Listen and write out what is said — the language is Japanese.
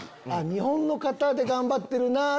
日本の方で頑張ってるなぁ！